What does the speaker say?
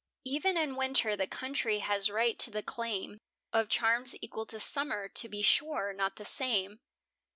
E'en in winter the country has right to the claim Of charms equal to summer; to be sure, not the same.